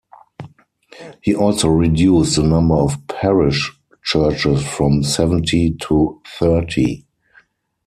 He also reduced the number of parish churches from seventy to thirty.